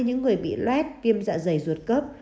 những người bị loét viêm dạ dày ruột cấp